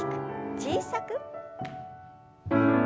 小さく。